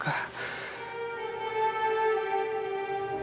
saya tidak bisa menjaga kamu